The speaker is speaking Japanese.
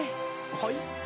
はい？